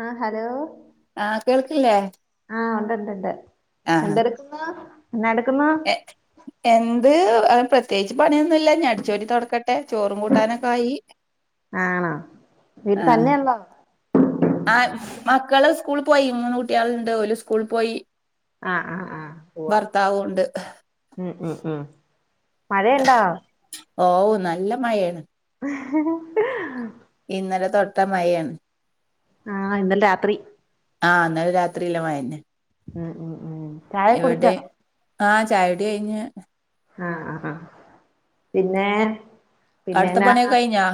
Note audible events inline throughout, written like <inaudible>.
ആഹ് hello ആഹ് കേൾക്കില്ലേ? ആഹ് ഒണ്ടൊണ്ടൊണ്ട് ആഹ് എന്തെട്ക്കുന്നു എന്നാ എടുക്കുന്നു? എ എന്ത് പ്രത്യേകിച്ച് പണിയൊന്നുല്ല ഞ്ഞിഅടിച്ചോരി തൊട്ക്ക ട്ടെ ചോറും കൂട്ടാനൊക്കായി. ആണോ വീട്ടിൽ ആഹ് തന്നെയുള്ളോ ആഹ്, മക്കള് സ്കൂൾ പോയി മൂന്ന് കുട്ട്യാളുണ്ട് ഓല് സ്കൂൾ പോയി. ആഹ് ആഹ് ആഹ് ഉവ്വ ഭർത്താവുണ്ട്. ഉം, ഉം, ഉം മഴണ്ടോ? ആവു നല്ലമഴേണ്. എഹ് ഹ ഹെ. ഇന്നെലെതൊട്ട മഴേണ്. ആഹ് ഇന്നെലെരാത്രി. ആഹ് ന്നലെ രാത്രില്ലെ മഴന്നെ. ഉം, ഉം, ഉം ചായ കുടിച്ചോ ഇവിടിം ആഹ് ചായുടികയ്ഞ്ഞ്. അഹ്, അഹ്, ആഹ് പിന്നെ അടുത്ത പിന്നെന്നാ? പണിയൊക്കെ കഴിഞ്ഞോ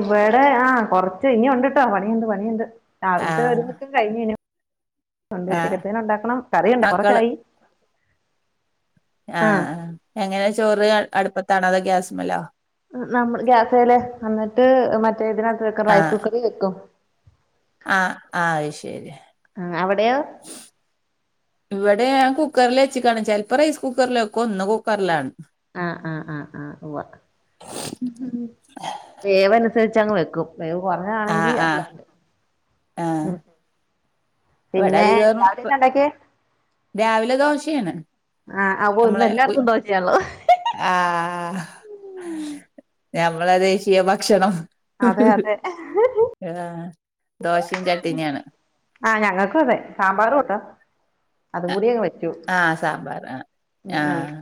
ഇവടെ ആഹ് കൊർച്ച് ഇനി ഉണ്ട്ട്ടോ പണിണ്ട്, പണിണ്ട് ആഹ് രാവിൽത്തെഒരുതൊക്കെ കയ്ഞ്ഞിനു. അണ്ട് ആഹ് ഉച്ചക്കത്തേന് ഉണ്ടാക്കണം കറിയുണ്ട് മക്കള് ചോറൊക്കെയായി. ആഹ് എങ്ങനെ ചോറ് അടുപ്പത്താണോ അതോ ഗ്യാസ്മ്മലോ? ഹ് നമ്മ ഗ്യാസേ ല്, എന്നിട്ട് മറ്റേതിനകത്ത് വെക്കും റൈസ് കുക്കറി വെക്കും. അഹ് ആഹ്ശെരി. ആ അവിടെയോ ഇവടെകുക്കറിൽ വെച്ച്ക്കാണ് ചെൽപ്പോ റൈസ് കുക്കറിൽ വെക്കും ഇന്ന് കുക്കറിലാണ്. അഹ്, അഹ്, അഹ് ആഹ് ഉവ്വ വേവനുസരിച്ചങ്ങ് വെക്കും. വേവ് ആ കൊറഞ്ഞതാണെങ്കി ആ അല്ലാണ്ട്. ഉം പിന്നെ ഇവിടെഅധികേറും രാവിലെ പ് എന്നാ ഉണ്ടാക്കിയേ രാവിലെ ദോശേണ്. ആഹ്, അവു ഇന്ന് എല്ലായിടത്തും ദോശെയാണല്ലോ? ആഹ് ഞമ്മളെ ദേശീയ ഭക്ഷണം അതെ അതെ ആഹ് ദോഷിം ചട്ടിനി ആണ് ആഹ് ഞങ്ങക്കു അതെ സാമ്പാറുട്ടോ ആ ആഹ് സാമ്പാർ ഉം ഉം ആഹ്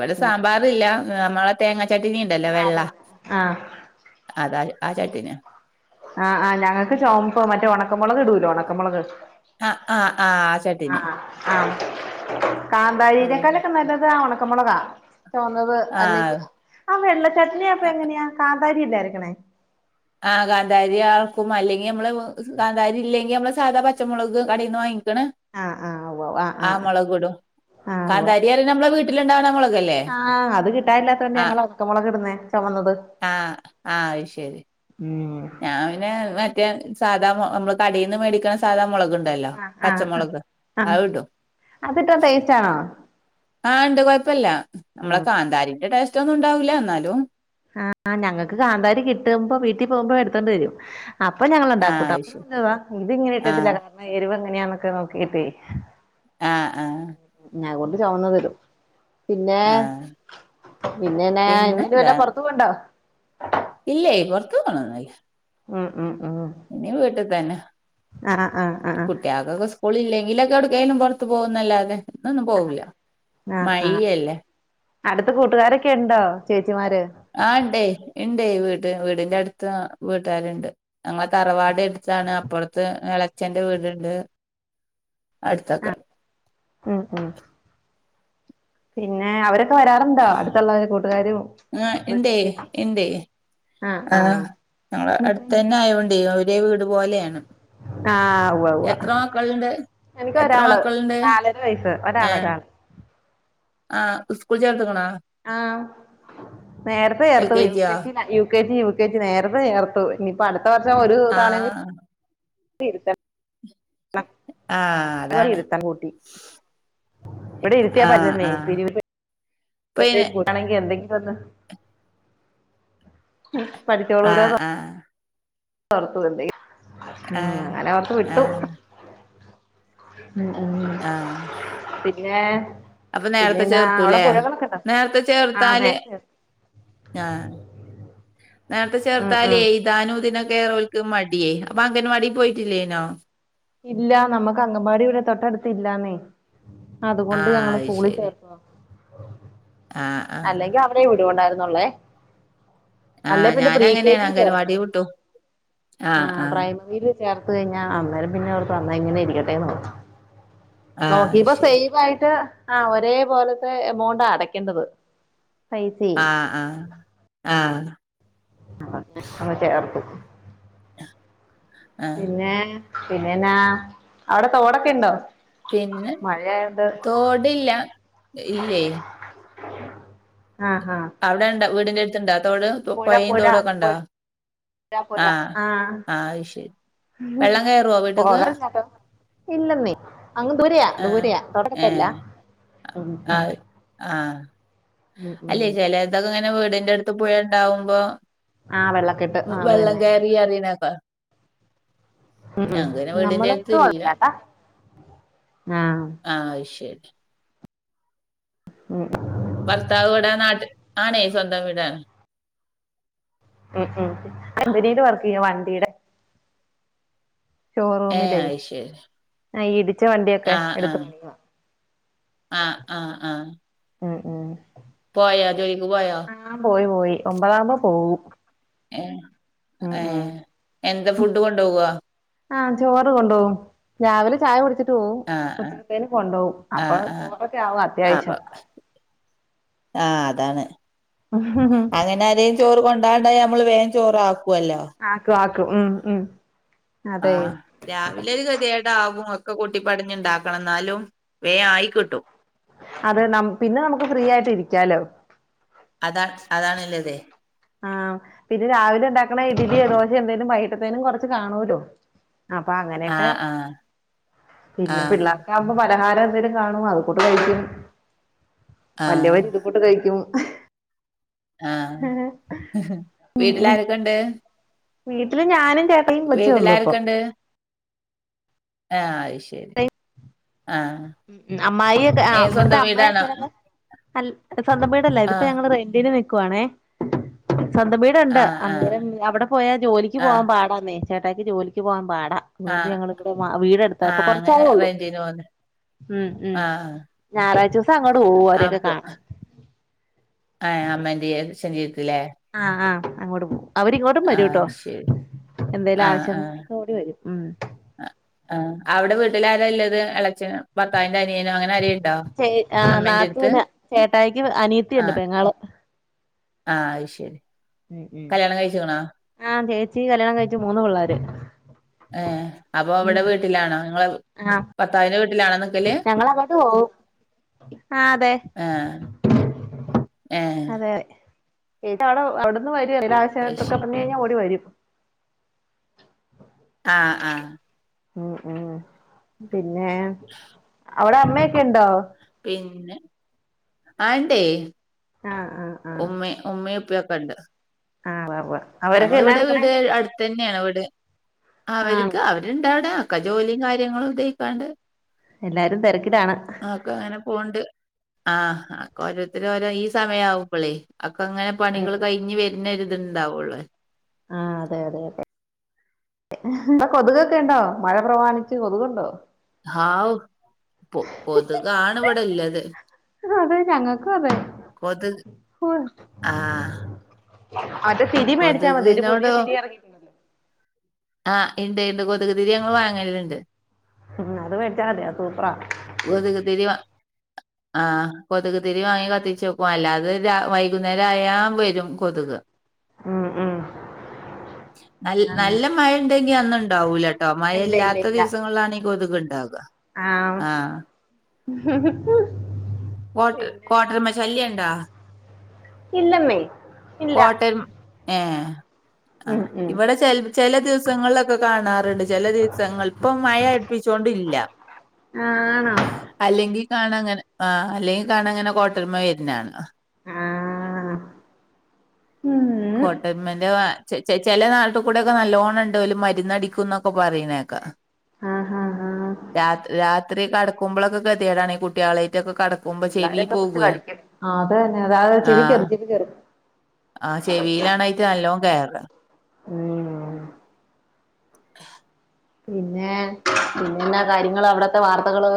വടെ ഉം സാമ്പാറില്ല, നമ്മളെ തേങ്ങാ ചട്ടിനിണ്ടല്ലോ വെള്ള ആ അതാ, ആ ചട്ട്ണിയ ആഹ് ആഹ് ഞങ്ങക്ക് ചോമപ്പ് മറ്റ ഒണക്കമുളക് ഇടൂലോ ഒണക്കമുളക് ആഹ് അഹ് ആഹ് ആഹ് ആഹ് കാന്താരി ആ നേക്കാലൊക്കെ നല്ലത് ആ ഉണക്ക മുളകാ ചോന്നത് ആ അല്ലെങ്കി ആഹ വെള്ള ചട്നി അപ്പാ എങ്ങനെയാ കാന്താരിയല്ലേ അരക്ക്‌ണേ ആഹ് കാന്താരി ആക്കും. അല്ലെങ്കി നമ്മള് കാന്താരി ഇല്ലെങ്കി നമ്മള് സാധാ പച്ചമുളക് കടയിന്ന് വാങ്ങിക്ക്ണ ആഹ് ആഹ് ഉവ്വ ഉവ്വ ആഹ് മുളകുടും ആഹ് ഉവ്വ കാന്താരിയറി നമ്മളെ വീട്ടിലുണ്ടാവുന്ന മുളക് ആഹ് അത് കിട്ടില്ലാത്തുകൊണ്ട് ഞങ്ങള് ഒണ്ക്ക മുളക് ഇടുന്നേ ചൊമന്നത് ആഹ് ആഹ് അഹ് ശെരി ഉം ഞാൻ പിന്നെ മറ്റേ സാധാ നമ്മള് കടയിന്ന് മേടിക്കണ സാധാ മുളക് ആഹ് ആഹ് അഹ് അഹ് അതിട്ട ടേസ്റ്റാണോ ആണ്ട് കൊഴപ്പല്ല നമ്മളെ ഉം കാന്താരിന്റെ ടേസ്റ്റ് ഒന്നും ഉണ്ടാവൂല്ല എന്നാലും ആഹ് ഞങ്ങക്ക് കാന്താരി കിട്ടുമ്പോ വീട്ടി പോകുമ്പോ എടുത്തോണ്ട് വരും അപ്പ ഞങ്ങൾ ആ ഉണ്ടാക്കൂട്ടോ അത് അപ്പൊ ശരി എന്തുവാ ഇത് ഇങ്ങനെ ആ ഇട്ടിട്ടില്ല കാരണം എരിവ് എങ്ങനെയാന്നൊക്കെ നോക്കിട്ടേ ആഹ് ആഹ് അത്കൊണ്ട് ചൊമന്നത്ടും പിന്നെ ആ പിന്നന്നെ ഇ പിന്നെ <unintelligible> വല്ല പൊർത്ത് പോവുണ്ടോ ഇല്ലേയ് പോറത്തക്ക്‌ പോണന്നില്ല മ് മ് മ് ഇനി വീട്ട് തന്നെ ആഹ് ആഹ് ആഹ് ക്കക്ക് സ്കൂളില്ലെങ്കിലൊക്കെ എടുക്കേലും പൊറ്ത്ത് പോവുന്നല്ലാതെ ആഹ് ആഹ് അടുത്ത് കൂട്ടുകാരൊക്കെ ഇണ്ടോ ചേച്ചിമാര് ആഹ് ഇണ്ടേയ് ഇണ്ടേയ് വീട്ട് വീടിന്റെ അടുത്ത് വീട്ടാര്ണ്ട് ഞങ്ങളെ തറവാട് എട്ത്താണ് അപ്പൊറത്ത് എളച്ചന്റെ വീട്ണ്ട് അഹ്ടത്തക്ക ഉം ഉം പിന്നെ അവരൊക്കെ വരാറുണ്ടോ അടുത്തുള്ളവരും കൂട്ടുകാരും ആഹ് ഇണ്ടേയ് റിലേറ്റീവ്സ് ഇണ്ടേയ് ആഹ് ഞങ്ങള് അട്ത്തന്നെ ആയോണ്ട് ഒരെ വീട് പോലെയാണ് ആഹ് ഉവ്വ ഉവ്വ എത്ര മക്കള്ണ്ട് എനിക്ക് എത്ര ഒരാള് മക്കള്ണ്ട് നാലര വയസ്സ് ഒരാള് ഏഹ് ഒരാള് ആഹ് സ്കൂൾ ചേർത്ത്ക്ക്‌ണോ ആഹ് നേരത്തെ എൽ ചേർത്തു യു ജിയോ കെ ജി ലാ U L K G U ക ജി നേർത്തെ ചേർത്തു ഇനിപ്പ അട്ത്ത വർഷം ഒരു ആ താണ ഇരി ആ അതാണ് <unintelligible> കൂട്ടി ഇവ്ടെ ഇര്ത്തിയാ ആ പറ്റ്ന്നേ ആ പിരി പിന്നെ എന്തേലും കുട്ടണെങ്കി എന്തെങ്കിലും ഒന്ന് പഠിച്ചോളോലോ ആഹ് ആഹ് <unintelligible> ആഹ് അങ്ങനെ ഓർത്ത് വിട്ടു ആഹ് മ് മ് ആഹ് പിന്നെ അപ്പൊ നേരത്തെ പിന്നന്നാ അവ്ടെ ചേർത്തൂല്ലേ പുഴകളൊക്കെ ഉണ്ടോ നേരത്തെ ആഹ് അതെ ചേർത്താല് ആഹ് നേരത്തെ ഉം ഉം ചേർത്താലേയ് ഇരിക്കാനും ഇതിനൊക്കെ ഓൽക്ക് മടിയേ അപ്പൊ അംഗൻവാടി പോയിട്ടില്ലേനോ ഇല്ലാ നമ്മക്ക് അങ്കമ്പാടി ഇവിടെ തൊട്ടടുത്ത്ല്ലാന്നേ അതുകൊണ്ട് ആഹ് ഞങ്ങള് അത് സ്കൂളി ശരി ചേർത്തതാ ആഹ് ആഹ് അല്ലെങ്കി അവ ടെ വിടുവോണ്ടായിരുന്നൊള്ളെ അല്ല ആഹ് പിന്നെ പ്രീകെ ഞാനങ്ങനെയാണ് ജി അംഗൻവാടി ചേർകണം വിട്ടു ആ ആഹ് ആഹ് പ്രൈമറില് ചേർത്ത് കഴിഞ്ഞാൽ അന്നേരം പിന്നെ ഓർക്കും എന്നാ ഇങ്ങനെ ഇരിക്കട്ടെ ഓർക്കും ആഹ് അത് നോക്കിപ്പോ ശരി സേഫ് ആയിട്ട് ആഹ് ഒരേ പോലത്തെ എമൗണ്ടാ അടക്കേണ്ടത് ആഹ് ആഹ് ആഹ് ആഹ് അങ്ങ് ചേർത്തു ആഹ് പിന്നെ പിന്നെന്നാ അവിടെ തോടൊക്കെ ഉണ്ടോ പിന്നെ മഴയായോണ്ട് തോടില്ല ഇല്ലേയ് ആഹാ അവിടെണ്ടാ വീടിന്റെറ അടുത്ത്ണ്ടാ തോട് പുഴയും പുഴ തോടും ഒക്കെണ്ടാ പുഴ ആഹ് അയ് ശരി വെള്ളം കയറുവോ വീട്ട്ക്ക് ഇല്ലെന്നെ അങ്ങ് ദൂരയാ ആഹ് ദൂരയാ തൊട്ടടുത്തില്ല ഏഹ് ആഹ് ആഹ് അല്ലേ ഉം ചിലതൊക്കെ ഇങ്ങനെ വീടിന്റെ അടുത്ത് പുഴുണ്ടാവുമ്പോ ആഹ് വെള്ളക്കെട്ട് ആഹ് അത് വെള്ളം തന്നെ കയറി പറയ്ണ കേക്കാം ഉ ഉം നമ്മളൊക്കെ ഇല്ല <unintelligible> ആഹ് ആഹ് അയ്ശെരി ഉം ഉം ഭർത്താവ് ഇവടെ നാട്ടിൽ ആണെ സ്വന്തം വീടാണ് ഉം ഉം കമ്പനില് വർക്ക്യ്യാ വണ്ടിയ്ടെ ഏഹ് ഷോറൂമിലേ അത് ശരി ആഹ് ഇടിച്ച വണ്ടിയൊക്കെ ആഹ് എടുത്ത് ആഹ് പണിയുവാ ആഹ് ആഹ് ആഹ് ഉം ഉം പോയോ ജോലിക്ക് പോയോ? ആഹ് പോയി പോയി ഒമ്പതാവുമ്പോ പോവും ഏഹ് ഉം ഉം ഏഹ് എന്താ ഫുഡ് കൊണ്ടോവോ? ആഹ് ചോറ് കൊണ്ടോവും രാവിലെ ചായ കുടിച്ച്‌ ആഹ് ആഹ് ച്ച്‌വും <unintelligible> കൊണ്ടോവും അപ്പ ആഹ് ആഹ് ചോറൊക്കെ ആവും അപ്പൊ അത്യാവശ്യം ആഹ് അതാണ് അങ്ങനെ ആരേ ചോറ് കൊണ്ടാകാണ്ടായ നമ്മള് വേഗം ചോറാക്കുല്ലോ ആക്കും ആക്കും ഉം ഉം അതെ ആഹ് രാവിലെ ഒരു കെതെടാവും ഒക്കെ കോട്ടിപ്പേടഞ്ണ്ടാക്കണം ന്നാലും വേഗം ആയിക്കിട്ടും അതെ നം പിന്നെ നമ്മക്ക് ഫ്രീയായിട്ടിരിക്കാലോ അതാണ് അതാണ്ല്ലതെ ആഹ് പിന്നെ രാവിലെ ഇണ്ടാക്ണെ ഇഡ്ലിയോ, ദോശയോ എന്തേലും വൈകിട്ടത്തേനും കൊർച്ച് കാണോല്ലോ? അപ്പ അങ്ങനെക്കെ ആഹ് ആഹ് പിന്നെ ആഹ് പിള്ളേർക്ക പലഹാരം എന്തേലും കാണും അതങ്ങോട്ട് കഴിക്കും ആഹ് വല്ല്യാവർ ഇതങ്ങട്ട് കഴിക്കും ആഹ് വീട്ടില് ആരൊക്കെണ്ട്? വീട്ടില് ഞാനും, ചേ വീട്ടില് ആരൊക്കെണ്ട്? ആഹ് അഹ്ശെ അമ്മായി ഒക്കെ ആഹ് ഏഹ് ഇവട്ത്തെ സ്വന്തം അമ്മീം, വീടാണോ അച്ചനൊക്കെ അൽ സ്വന്തം വീടല്ല ഇത് ഇപ്പ ആഹ് ഞങ്ങള് റെന്റിനു വെ കുവാണെ സ്വന്തം വീട്ണ്ട് ആഹ് ആഹ് അന്നേരം അവിടെ പോയാ ജോലിക്ക് ആഹ് പോവാൻ പാടാന്നേ ചേട്ടായ്ക്ക് ജോലിക്ക് പോകാൻ പാടാ അതൊണ്ട് ആഹ് ഞങ്ങളിവിടെ വീടെ എടുത്ത ഇപ്പൊ ആഹ് കോർ അങ്ങനെ ചയെ ഒള്ളൂ റെന്റിന് പോന്ന് ഉം ഉം ആഹ് ഞാറാഴ്ച ദിവസം അങ്ങട്ട് പോവും അവരെക്കെ അപ്പൊ കാണാൻ ആഹ് അമ്മന്റെ, അച്ഛന്റെ അടുത്തല്ലേ ആഹ് ആഹ് അങ്ങോട്ട് പോവും. അവരിങ്ങോട്ടും വരൂട്ടോ ആഹ് ശരി എന്തേലും ആഹ് ആഹ് ആവശ്യങ്ങൾക്ക് ഓടി വെരും. ആഹ് അവടെ വീട്ടില് ആരല്ലത് എളച്ചനും ഭർത്താവിന്റെ അനിയനോ അങ്ങനെ ആരെണ്ടോ? ആഹ് നാത്തുന് ചേട്ടായിക്ക് അനിയത്തിയുണ്ട് ആഹ് പെങ്ങള് ആഹ് അയ്ശെരി ആഹ് ചേച്ചി കല്യാണം കഴിച്ചു മൂന്ന് പിള്ളാര് ഏഹ് അപ്പൊ ഇവടെ വീട്ടിലാണോ നിങ്ങളെ ഭർത്താവിന്റെ വീട്ടിലാണോ? നിക്കല് ഞങ്ങളങ്ങട്ട് പോവും ആഹ് അതെ ഏഹ് ഏഹ് അതെ ചേച്ചി അടെ അവിടുന്ന് വേരും എന്ത് അത് ആവശ്യമായിട്ടൊക്കെ ശരി പർഞ്ഞാ കഴിഞ്ഞാൽ ഓടി വരും ആഹ് ആഹ് ഉം ഉം പിന്നെ ഔടെ അമ്മേക്കെ ഇണ്ടോ? പിന്നെ ആഹ് ഇണ്ടേ ആ ആ ആ ഉമ്മെ ഉമ്മെ, ഉപ്പേം ഒക്കണ്ട് ആഹ് ഉവ്വ ഉവ്വ അവരൊക്കെന്നാ ട്‌ക്ക്ണേ തെന്ന്യാണോ വീട്‌ ആണ് അവര്ക്ക് അവര്ണ്ടവടെ ഒക്കെ ജോലിം കാര്യങ്ങളൊക്കയ്ക്കാണ്ട് എല്ലാരും തെരക്കിലാണ്. ഒക്കങ്ങനെ പോവ്ണ്ട് ആഹ് ആ ക്കൊരോര്ത്തരോരോ ഈ സമയാവുമ്പളേയ് അക്കെങ്ങനെ ഉം പണികൾ കയിഞ്ഞ് വെര്ന്നൊര്ത്ണ്ടാവൊള്ള ആഹ് അതെ യതെ യതെ ഇപ്പൊ കൊത്ക്കൊക്കെണ്ടോ മഴ പ്രമാണിച്ച് കൊത്ക്ണ്ടോ? ഹാവു പൊ കൊതുകാണ് വടെല്ലത്. അതെ ഞങ്ങക്കും അതെ കൊതുക് ആഹ് മറ്റേ തിരിമേടിച്ചാമതി ഒരു പുതിയ കൊതുകിനോട് തിരി എറങ്ങി ആഹ് ഇണ്ട് ണ്ട് കൊത്ക് തിരി ഞങ്ങള് വാങ്ങല്ണ്ട്. ഉം അത് വേടിച്ചാ മതി അത് സൂപ്പറാ. കൊത്ക് തിരി വാ ആഹ് കൊത്ക് തിരിവാങ്ങി കത്തിച്ചെക്കും അല്ലാതെ രാ വൈകുന്നേരായാ വെരും കൊത്ക്. ഉം ഉം നൽ നല്ല അങ്ങനെ മഴണ്ടെങ്കി അന്ന്ണ്ടാവൂല ട്ടോ മഴ ഇല്ല ഇല്ല ഇല്ലാത്ത ഇല്ല ദിവസങ്ങളിലാണീ കൊത്ക്ണ്ടാക. ആഹ് കോട്ട്ര് പിന്നെ കോട്ട്രര്മ ശല്ല്യണ്ടാ? ഇല്ലന്നെ കോട്ടര്മ് ഏഹ് ഉം ആഹ് ഉം ഇവടെ ചെൽ ച്ചെല ദിവസങ്ങൾലൊക്കെ കാണാറ്ണ്ട് ച്ചെലദിവസങ്ങൾ ഇപ്പം മഴ അട്പ്പിച്ചോണ്ടില്ല. ആണോ അല്ലെങ്കി കാണങ്ങനെ ആഹ് അല്ലെങ്കി കാണങ്ങനെ കോട്ടര്മ വെര്ന്നാണ. ആഹ് ഉം കോട്ടര്മ്മന്റെ വാ ചെ ചെ ചെല നാട്ട്കൂടെക്കെ നല്ലോണണ്ട് ഓല് മര്ന്നടിക്കും ന്നൊക്കെ പറിണേക്ക. ആഹ് ഹാ ഹ രാത് രാത്രി കടക്കുബ്ലൊക്കെ ഗത്യേടാണ് കുട്ട്യേളെയ്റ്റൊക്കെ കട പിള്ളാരൊക്കെ പിടിച്ച് കടിക്യും ആ അതെന്നെ താഹ് ആഹ് ചെവിക്കേറും ചെവിക്കേറും ആഹ് ചെവിലാണ് അയ്റ്റ നല്ലോം കേറാ. ഉം പിന്നെ പിന്നെന്നാ കാര്യങ്ങള് അവ്ടത്തെ വാർത്തകള്.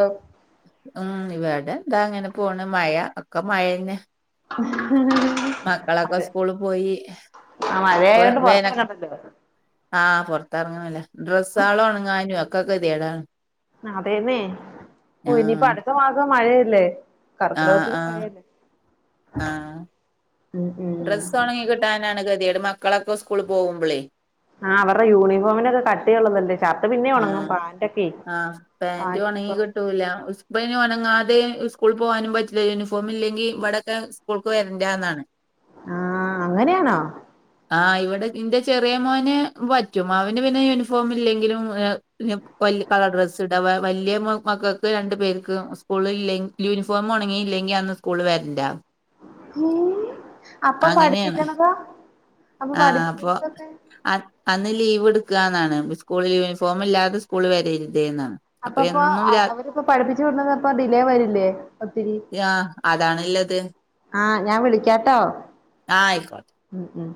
ഉം ഇവടെന്താ അങ്ങനെപോണ് മയ ഒക്കെ മയെന്നെ. <inaudible> മക്കളൊക്കെ അതെ സ്കൂള് പോയി ആഹ് പ്പൊ മഴയായോണ്ട് വേന പൊറത്തിറങ്ങണ്ടല്ലോ ആഹ് പൊർത്തറങ്ങണല്ല ഡ്രസ്സാ ളോണ്ങ്ങാനൊക്കെ കെത്യേടാണ്. അതെന്നെ ഓഹ് ഇനിയിപ്പോ അട്ത്ത മാസം മഴയല്ലേ. ആഹ് കടക്കിടകത്തിലും ആഹ് മഴല്ലേ ആഹ് ഉം ഡ്രസ്സൊണങ്ങി കിട്ടാനാണ് കെത്യേട് മക്കളൊക്കെ സ്കൂള് പോവുമ്പളേ ആഹ് അവർറെ യൂണിഫോമിനൊക്കെ കട്ടിയുള്ളതല്ലേ. ഷർട്ട് പിന്നെ ഉണങ്ങും ആഹ് പാന്റൊക്കെ ആഹ് പാന്റ് പാൻ്റൊണങ്ങി നിക്കും കിട്ടൂല. സ് ഇപ്പ യ്ന് ഒണങ്ങാതെ സ്കൂൾ പോവാനും പറ്റില്ല യൂണിഫോംമില്ലെങ്കി ഇവടൊക്കെ സ്കൂൾക്ക് വെര്ണ്ടാന്നാണ്. ആഹ് അങ്ങനെണോ ആഹ് ഇവടെ ഇന്റെ ചെറ്യേ മോന് പറ്റും അവന്ന് പിന്നെ യൂണിഫോമില്ലെങ്കിലും <unintelligible> വല്ല്യ കളർ ഡ്രസ്സ് ഇടാ വാ വല്ല്യ മ മക്കക്ക് രണ്ട് പേർക്ക് കൂള് ഇല്ല യൂനിഫോം ഒണങ്ങിയില്ലെങ്കി അന്ന് സ്കൂൾ വെര്റ്റ ഉം അപ്പൊ അങ്ങനെയാണ് പഠിപ്പിക്കണതാ അപ്പൊ ആഹ് അപ്പൊ പഠിപ്പിക്ക്ണതൊക്കെ അ അന്ന് ലീവ് ഇട്ക്കാന്നാണ് സ്കൂളി യൂനിഫോം ഇല്ലാതെ സ്കൂൾ വരര്ന്ത് ന്നാ അപ്പപ്പോ അ അവരിപ്പോ പഠിപ്പിച്ചു വിട് ണത് അപ്പോ ഡിലേ വരില്ലേ ഒത്തിരി അതാണ് ഇള്ളത് ആഹ് ഞാ വിളിക്കാട്ടോ ആഹ് ആയ്ക്കോ ഉം ഉം